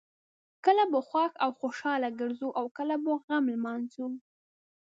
کله به خوښ او خوشحاله ګرځو او کله به غم لمانځو.